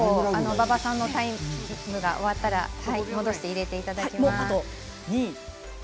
馬場さんのタイムが終わったら戻していただきます。